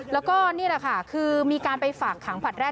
แล้วก็นี่แหละค่ะคือมีการไปฝากขังผลัดแรก